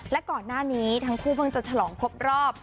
และก่อนหน้านี้ทั้งคู่เพิ่งจะฉลองครบรอบ